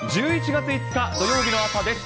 １１月５日土曜日の朝です。